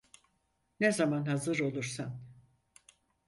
Ne zaman hazır olursan.